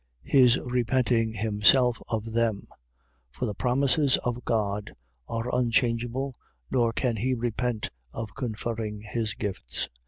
. .his repenting himself of them; for the promises of God are unchangeable, nor can he repent of conferring his gifts.